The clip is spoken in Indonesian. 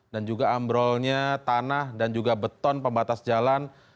dan juga ambrolnya tanah dan juga beton pembatas jalan